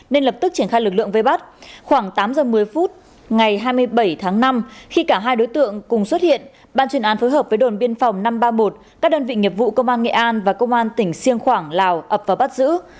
nên lập tức triển khai lực lượng vây bắt